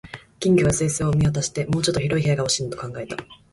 金魚が水槽を見回して、「もうちょっと広い部屋が欲しいな」と考えた